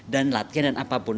dan latihan dan apapun